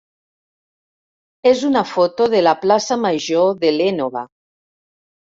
és una foto de la plaça major de l'Énova.